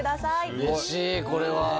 うれしいこれは。